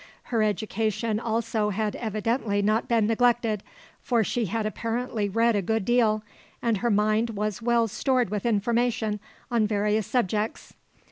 Her education also had evidently not been neglected, for she had apparently read a good deal, and her mind was well stored with information on various subjects.